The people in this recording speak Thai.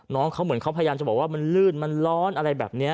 น้องเขาเหมือนเขาพยายามจะบอกว่ามันลื่นมันร้อนอะไรแบบนี้